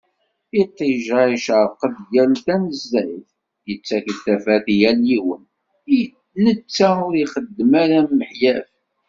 Iṭij-a icerreq-d yal tanezzayt, yettak-d tafat i yal yiwen, netta ur ixeddem ara miḥyaf.